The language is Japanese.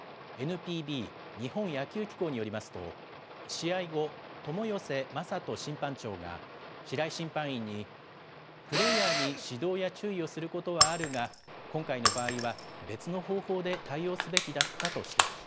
ＮＰＢ・日本野球機構によりますと、試合後、友寄正人審判長が、白井審判員に、プレーヤーに指導や注意をすることはあるが、今回の場合は、別の方法で対応すべきだったと指摘。